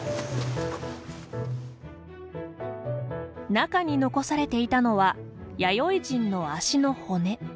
中に残されていたのは弥生人の足の骨。